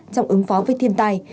trong ứng phó với thiên tai